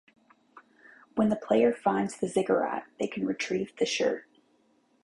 When the player finds the ziggurat, they can retrieve the shirt.